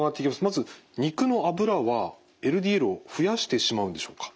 まず肉の脂はＬＤＬを増やしてしまうんでしょうか？